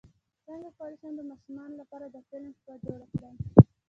څنګه کولی شم د ماشومانو لپاره د فلم شپه جوړه کړم